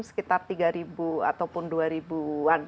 sekitar tiga ataupun dua ribu an